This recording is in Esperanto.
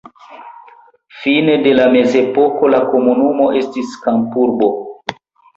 Fine de la mezepoko la komunumo estis kampurbo.